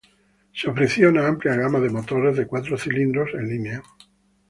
Se ofrecía una amplia gama de motores de cuatro cilindros en línea.